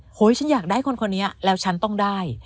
ฉันอยากได้คนนี้แล้วฉันต้องได้